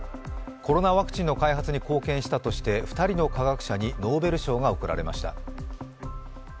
コロナワクチンの開発に貢献したとして２人の科学者にノーベル賞が贈られました。